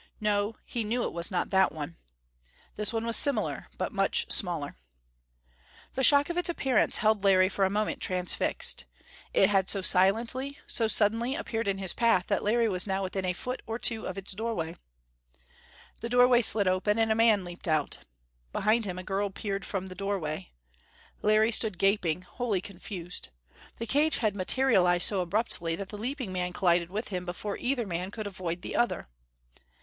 No he knew it was not that one. This one was similar, but much smaller. The shock of its appearance held Larry for a moment transfixed. It had so silently, so suddenly appeared in his path that Larry was now within a foot or two of its doorway. The doorway slid open, and a man leaped out. Behind him, a girl peered from the doorway. Larry stood gaping, wholly confused. The cage had materialized so abruptly that the leaping man collided with him before either man could avoid the other.